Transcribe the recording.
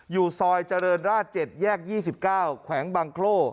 อยู่ซอยเจริญราชเจ็ดแยกยี่สิบเก้าแขวงบังโคล